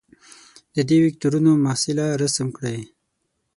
د دې وکتورونو محصله رسم کړئ.